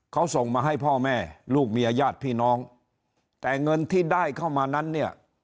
เขาส่งมาให้พ่อแม่ลูกเมียญาติพี่น้องแต่เงินที่ได้เข้ามานั้นเนี่ย